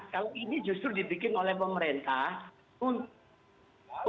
kalau ini justru dibikin oleh pemerintah